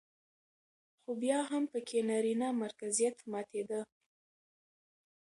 خو بيا هم پکې نرينه مرکزيت ماتېده